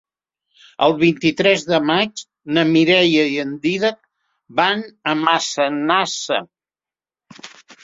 El vint-i-tres de maig na Mireia i en Dídac van a Massanassa.